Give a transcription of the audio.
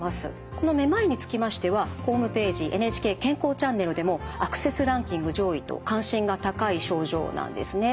このめまいにつきましてはホームページ「ＮＨＫ健康チャンネル」でもアクセスランキング上位と関心が高い症状なんですね。